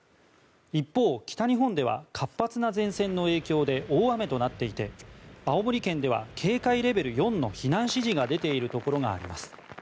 一方、北日本では活発な前線の影響で大雨となっていて青森県では警戒レベル４の避難指示が出ているところがあります。